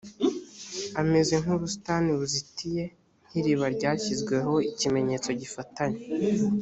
ameze nk ubusitani buzitiye nk iriba ryashyizweho ikimenyetso gifatanya